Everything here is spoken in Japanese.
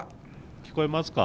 聞こえますか？